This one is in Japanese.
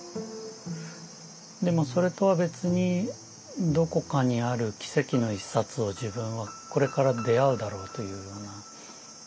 でもそれとは別にどこかにある奇跡の１冊を自分はこれから出会うだろうというような。